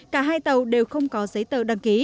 cả hai tàu đều không có giấy tờ đăng ký